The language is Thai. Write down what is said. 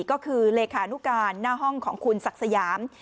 ก็คือเลขานุการหน้าห้องของคุณศักดิ์สยาม